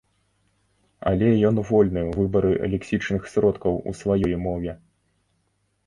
Але ён вольны ў выбары лексічных сродкаў у сваёй мове.